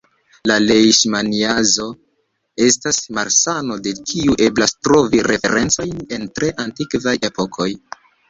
La lejŝmaniazo estas malsano de kiu eblas trovi referencojn en tre antikvaj epokoj.